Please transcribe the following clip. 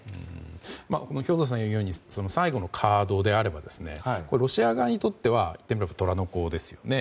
兵頭さんが言うように最後のカードであればロシア側にとってはいってみれば虎の子ですよね。